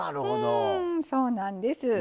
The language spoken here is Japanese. うんそうなんです。